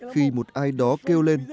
khi một ai đó kêu lên